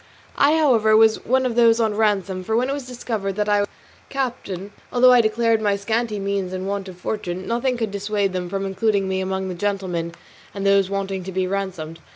I, however, was one of those on ransom, for when it was discovered that I was a captain, although I declared my scanty means and want of fortune, nothing could dissuade them from including me among the gentlemen and those waiting to be ransomed.